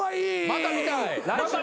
また見たい。